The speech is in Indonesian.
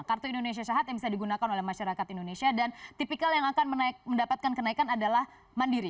kartu indonesia sehat yang bisa digunakan oleh masyarakat indonesia dan tipikal yang akan mendapatkan kenaikan adalah mandiri